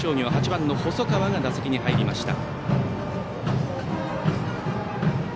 ８番の細川が打席に入りました。